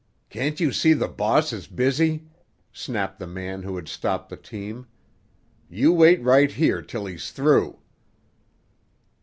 "Can't you see the boss is busy?" snapped the man who had stopped the team. "You wait right here till he's through."